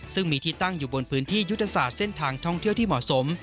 ซึ่งมีที่ตั้งอยู่บนพื้นที่ยุทธศาสตร์เส้นทางท่องเที่ยวที่เหมาะสม